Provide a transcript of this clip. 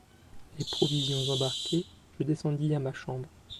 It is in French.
Les provisions embarquées, je descendis à ma chambre.